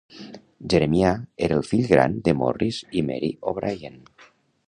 Jeremiah era el fill gran de Morris i Mary O'Brien.